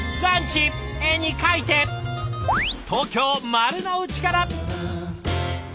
東京・丸の内から。